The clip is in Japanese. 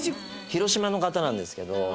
広島の方なんですけど。